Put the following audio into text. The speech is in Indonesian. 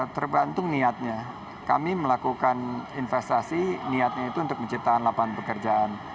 tergantung niatnya kami melakukan investasi niatnya itu untuk menciptakan lapangan pekerjaan